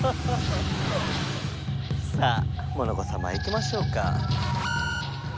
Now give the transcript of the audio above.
さあモノコさまいきましょうか。